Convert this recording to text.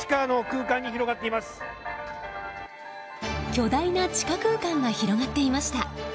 巨大な地下空間が広がっていました。